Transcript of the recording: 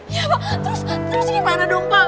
ya pak terus gimana dong pak